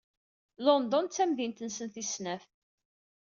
London d tamdint-nsen tis snat.